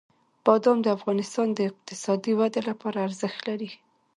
بادام د افغانستان د اقتصادي ودې لپاره ارزښت لري.